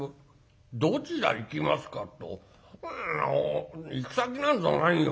「『どちら行きますか？』って行く先なんざないよ。